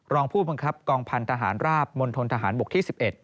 รองผู้บังคับกองพันธหารราบมณฑนทหารบกที่๑๑